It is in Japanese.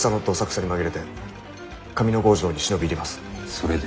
それで？